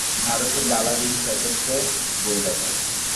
ভারতের বালা দেবী সর্বোচ্চ গোলদাতা।